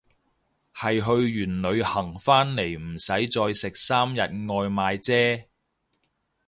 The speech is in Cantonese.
係去完旅行返嚟唔使再食三日外賣姐